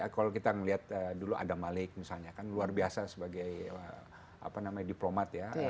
kalau kita melihat dulu adam malik misalnya kan luar biasa sebagai diplomat ya